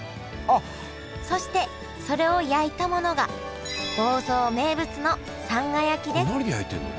そしてそれを焼いたものが房総名物のこれ何で焼いてんの？